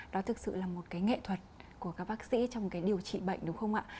đó thực sự là một cái nghệ thuật của các bác sĩ trong cái điều trị bệnh đúng không ạ